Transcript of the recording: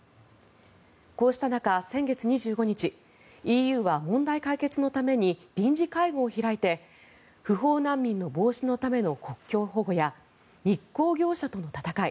こうした中、先月２５日ＥＵは問題解決のために臨時会合を開いて不法難民の防止のための国境保護や密航業者との戦い